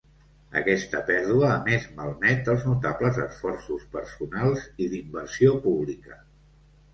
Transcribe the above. Aquesta pèrdua, a més, malmet els notables esforços personals i d’inversió pública.